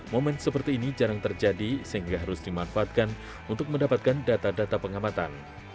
momen seperti ini jarang terjadi sehingga harus dimanfaatkan untuk mendapatkan data data pengamatan